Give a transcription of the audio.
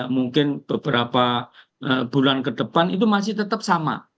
mungkin beberapa bulan ke depan itu masih tetap sama